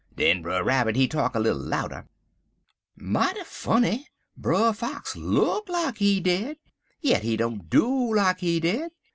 Den Brer Rabbit he talk little louder: "'Mighty funny. Brer Fox look like he dead, yit he don't do like he dead.